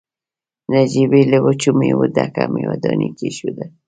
نجيبې له وچو مېوو ډکه مېوه داني کېښوده.